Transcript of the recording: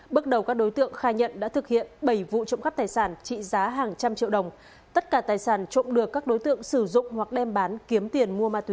bước đầu các đối tượng khai nhận đã thực hiện bảy vụ trộm cắp tài sản trị giá hàng trăm triệu đồng tất cả tài sản trộm được các đối tượng sử dụng hoặc đem bán kiếm tiền mua ma túy